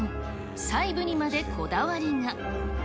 細部にまでこだわりが。